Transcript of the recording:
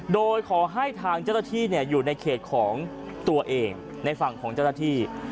โดยขอให้ทางเจ้าหน้าที่อยู่ในเขตของตัวเองในฝั่งของเจ้าหน้าที่